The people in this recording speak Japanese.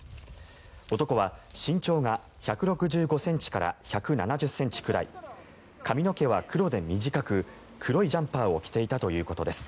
男は身長が１６５ｃｍから１７０ｃｍぐらい髪の毛は黒で短く黒いジャンパーを着ていたということです。